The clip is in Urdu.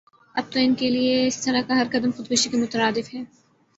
اب تو انکےلئے اسطرح کا ہر قدم خودکشی کے مترادف ہے